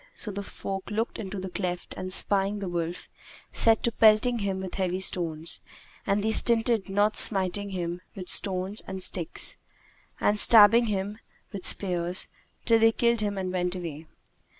So the folk looked into the cleft and, spying the wolf, set to pelting him with heavy stones, and they stinted not smiting him with stones and sticks, and stabbing him with spears, till they killed him and went away.